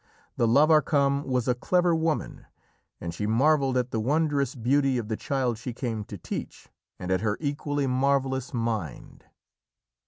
The Lavarcam was a clever woman, and she marvelled at the wondrous beauty of the child she came to teach, and at her equally marvellous mind.